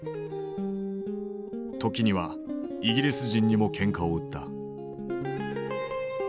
時にはイギリス人にもけんかを売った。